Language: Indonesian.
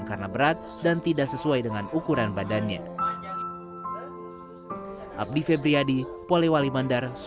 karena berat dan tidak sesuai dengan ukuran badannya